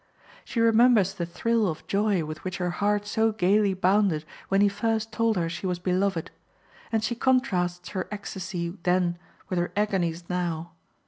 She remembers the thrill of joy with which her heart so gayly bounded when he first told her she was beloved, and she contrasts her ecstasy then with her agonies now.